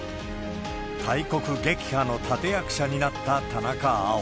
大国撃破の立て役者になった田中碧。